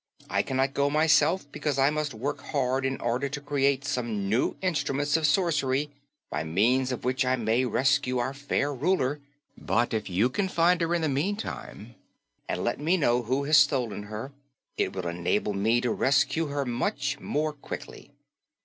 I cannot go myself, because I must work hard in order to create some new instruments of sorcery by means of which I may rescue our fair Ruler. But if you can find her in the meantime and let me know who has stolen her, it will enable me to rescue her much more quickly."